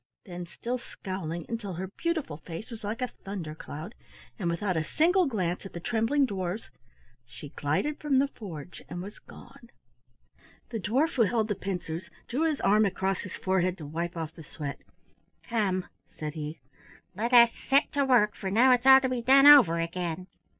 Then, still scowling until her beautiful face was like a thunder cloud, and without a single glance at the trembling dwarfs, she glided from the forge and was gone. The dwarf who held the pincers drew his arm across his forehead to wipe off the sweat. "Come," said he, "let us set to work, for now it's all to be done over again."